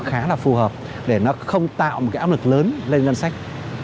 khá là phù hợp để nó không tạo một cái áp lực lớn lên ngân sách